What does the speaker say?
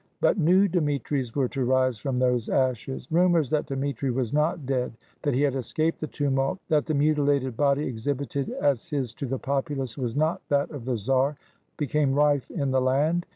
But new Dmitris were to rise from those ashes. Rumors that Dmitri was not dead, that he had escaped the tumult, that the muti lated body exhibited as his to the populace was not that of the czar, became rife in the land.